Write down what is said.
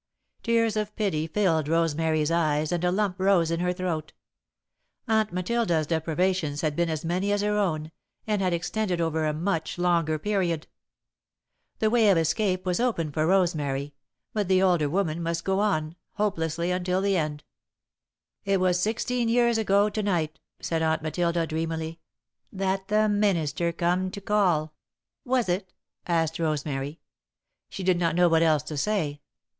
Tears of pity filled Rosemary's eyes and a lump rose in her throat. Aunt Matilda's deprivations had been as many as her own, and had extended over a much longer period. The way of escape was open for Rosemary, but the older woman must go on, hopelessly, until the end. "It was sixteen years ago to night," said Aunt Matilda, dreamily, "that the minister come to call." "Was it?" asked Rosemary. She did not know what else to say.